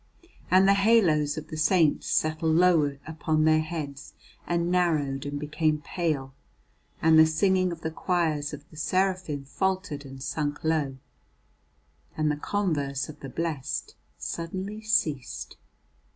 And the halos of the saints settled lower upon their heads and narrowed and became pale, and the singing of the choirs of the seraphim faltered and sunk low, and the converse of the blessed suddenly ceased.